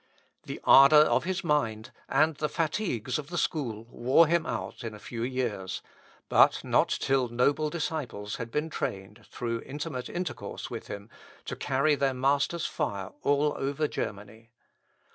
The ardour of his mind, and the fatigues of the school, wore him out in a few years; but not till noble disciples had been trained, through intimate intercourse with him, to carry their master's fire all over Germany.